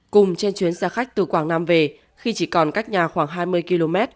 cùng trên chuyến xe khách từ quảng nam về khi chỉ còn cách nhà khoảng hai mươi km